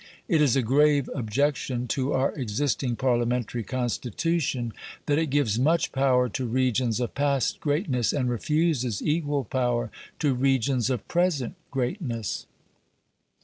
It is a grave objection to our existing Parliamentary constitution that it gives much power to regions of past greatness, and refuses equal power to regions of present greatness.